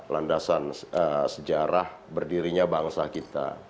landasan sejarah berdirinya bangsa kita